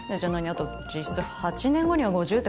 あと実質８年後には５０って事？